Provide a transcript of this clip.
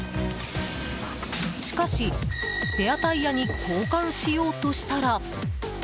しかし、スペアタイヤに交換しようとしたら。